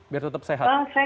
biar tetap sehat